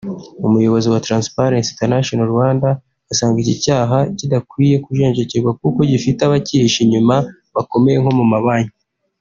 umuyobozi wa ‘Transparency International Rwanda’ asanga iki cyaha kidakwiye kujenjekerwa kuko gifite abacyihishe inyuma bakomeye nko mu mabanki